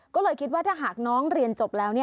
ก็เลยคิดว่าถ้าหากน้องเรียนจบแล้ว